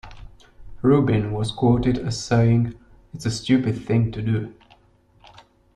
Rubin was quoted as saying "It's a stupid thing to do.